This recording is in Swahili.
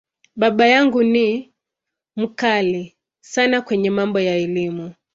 Baba yangu ni ‘mkali’ sana kwenye mambo ya Elimu.